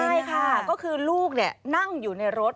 ใช่ค่ะก็คือลูกนั่งอยู่ในรถ